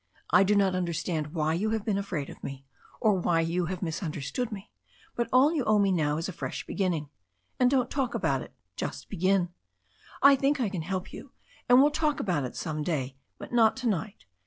I do not under stand why you have been afraid of me, or why you have misunderstood me, but all you owe me now is a fresh be ginning. And don't talk about it. Just begin. I think I can help you, and we'll talk about it some day, but not to night.